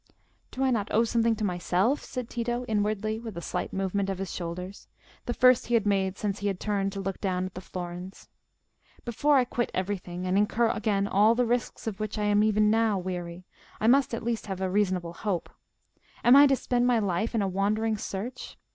"Do I not owe something to myself?" said Tito, inwardly, with a slight movement of his shoulders, the first he had made since he had turned to look down at the florins. "Before I quit everything, and incur again all the risks of which I am even now weary, I must at least have a reasonable hope. Am I to spend my life in a wandering search?